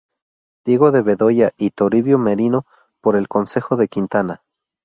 Diego de Bedoya y Toribio Merino por el concejo de Quintana.